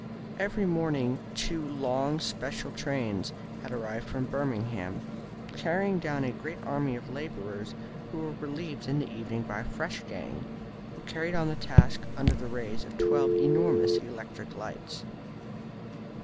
Every morning two long special trains had arrived from Birmingham, carrying down a great army of labourers, who were relieved in the evening by a fresh gang, who carried on their task under the rays of twelve enormous electric lights.